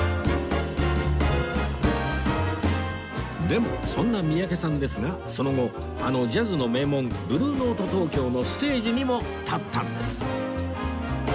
でもそんな三宅さんですがその後あのジャズの名門ブルーノート東京のステージにも立ったんです